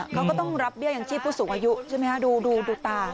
เขาก็ต้องรับเบี้ยอย่างที่ผู้สูงอายุดูตา